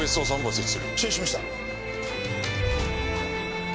承知しました。